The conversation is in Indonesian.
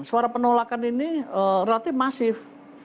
suara penolakan ini relatif masif